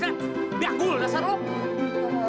udah aku rasain lo